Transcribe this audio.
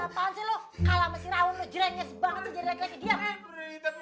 gapapaan sih lo kalah sama si raun lo jrenyes banget jadi lagi lagi diam